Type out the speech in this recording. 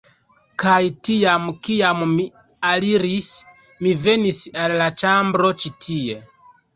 Kaj tiam, kiam mi aliris, mi venis al la ĉambro ĉi tie